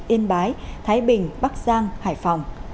yên bái thái bình bắc giang hải phòng